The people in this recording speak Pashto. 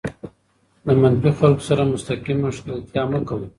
د منفي خلکو سره مستقیم ښکېلتیا مه کوئ.